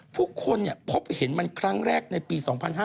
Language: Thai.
พวกคนนี้ภพเห็นมันครั้งแรกในปี๒๕๕๓